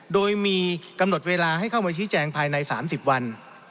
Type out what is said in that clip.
โดยมีกำหนดเวลาให้เข้ามาชี้แจงภายใน๓๐วัน